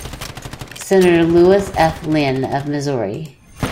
Senator Lewis F. Linn of Missouri.